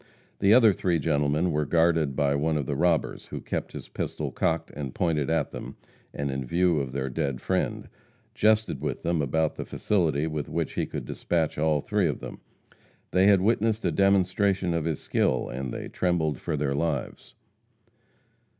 The other three gentlemen were guarded by one of the robbers, who kept his pistol cocked and pointed at them, and in view of their dead friend, jested with them about the facility with which he could dispatch all three of them. They had witnessed a demonstration of his skill, and they trembled for their lives.